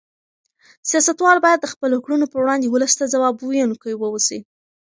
سیاستوال باید د خپلو کړنو په وړاندې ولس ته ځواب ویونکي اوسي.